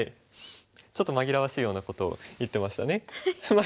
ちょっと紛らわしいようなことを言ってましたね。